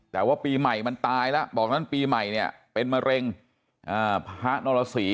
แต่ว่าปีใหม่มันตายแล้วบอกนั้นปีใหม่เนี่ยเป็นมะเร็งพระนรสี